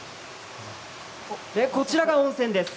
こちらが温泉です。